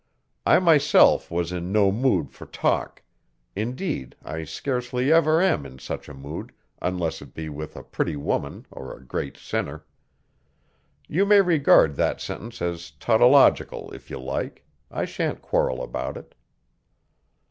I myself was in no mood for talk; indeed, I scarcely ever am in such a mood, unless it be with a pretty woman or a great sinner. You may regard that sentence as tautological if you like; I sha'n't quarrel about it.